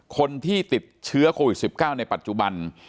คนที่ติดเชื้อโควิด๑๙ในปัจจุบัน